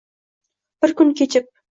Bir kun kechib